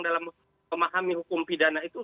dalam memahami hukum pidana itu